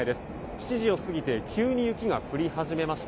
７時を過ぎて急に雪が降り始めました。